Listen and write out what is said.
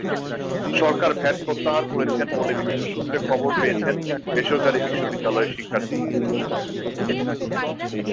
সরকার VAT প্রত্যাহার করেছেন বলে বিভিন্ন সূত্রে খবর পেয়েছেন বেসরকারি বিশ্ববিদ্যালয়ের শিক্ষার্থীরা।